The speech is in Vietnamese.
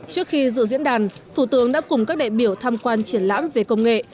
trước khi dự diễn đàn thủ tướng đã cùng các đại biểu tham quan triển lãm về công nghệ